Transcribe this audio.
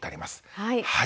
はい。